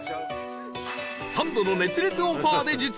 サンドの熱烈オファーで実現！